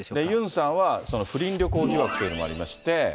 ユンさんは、不倫旅行疑惑というのもありまして。